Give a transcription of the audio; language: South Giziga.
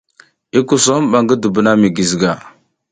I kusom ba ngi dubuna mi giziga.